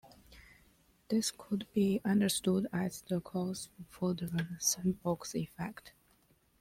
This could be understood as the cause for the sandbox effect.